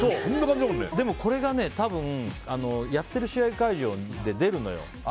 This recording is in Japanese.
でもこれが、たぶんやってる試合会場で出るのよ。